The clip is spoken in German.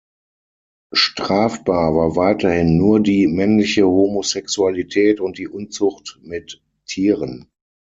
Strafbar war weiterhin nur die männliche Homosexualität und die Unzucht mit Tieren.